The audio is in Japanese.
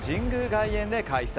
外苑で開催。